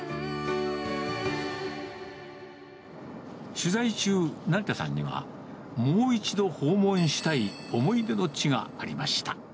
取材中、成田さんには、もう一度訪問したい思い出の地がありました。